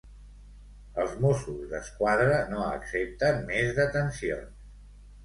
Els Mossos d'Esquadra no accepten més detencions.